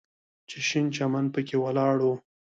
چې شين چمن پکښې ولاړ و.